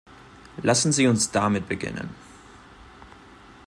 Lassen Sie uns damit beginnen.